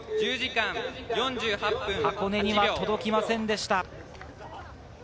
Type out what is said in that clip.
箱根には届きませんでした。